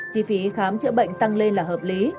chi phí khám chữa bệnh tăng lên là hợp lý